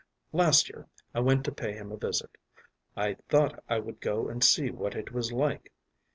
“Last year I went to pay him a visit. I thought I would go and see what it was like.